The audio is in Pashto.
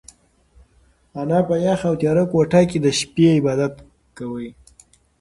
انا په یخه او تیاره کوټه کې د شپې عبادت کاوه.